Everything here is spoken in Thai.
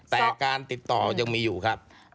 แต่การติดต่อยังมีอยู่ครับ